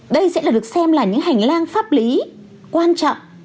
đây sẽ được xem là những hành lang pháp lý quan trọng